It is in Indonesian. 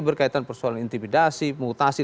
berkaitan persoalan intimidasi mutasi